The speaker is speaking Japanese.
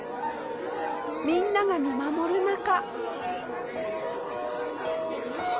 みんなが見守る中。